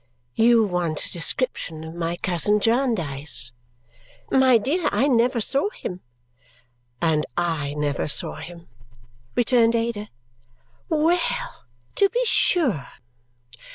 "You want a description of my cousin Jarndyce?" "My dear, I never saw him." "And I never saw him!" returned Ada. Well, to be sure!